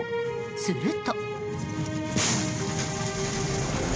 すると。